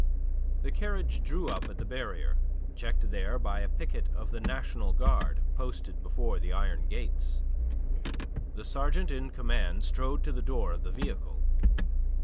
The carriage drew up at the barrier, checked there by a picket of the National Guard posted before the iron gates. The sergeant in command strode to the door of the vehicle.